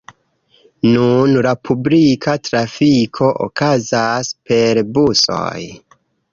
Nun la publika trafiko okazas per busoj.